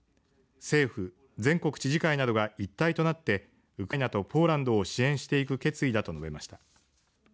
政府、全国知事会などが一体となってウクライナとポーランドを支援していく決意だと述べました。